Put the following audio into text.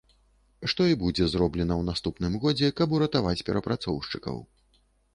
Што і будзе зроблена ў наступным годзе, каб уратаваць перапрацоўшчыкаў.